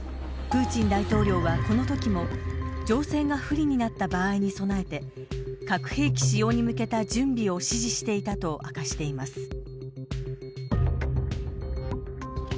プーチン大統領はこのときも情勢が不利になった場合に備えて核兵器使用に向けた準備を指示していたと明かしています。